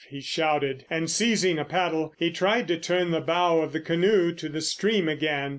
he shouted, and, seizing a paddle, he tried to turn the bow of the canoe to the stream again.